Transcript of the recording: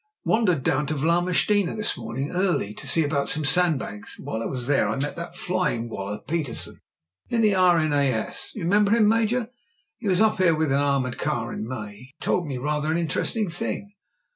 "Wandered down to Vlamertinghe this morning early to see about some sandbags, and while I was there I met that flying wallah Petersen in the R.N.A.S. Do you remember him, Major? He was up here with an armoured car in May. He told me rather an inter esting thing."